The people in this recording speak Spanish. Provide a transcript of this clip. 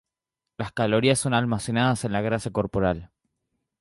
Las calorías son almacenadas en la grasa corporal.